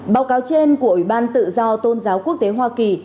báo cáo trên của ủy ban tự do tôn giáo quốc tế hoa kỳ